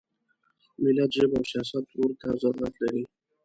ملت ژبه او سیاست ورته ضرورت لري.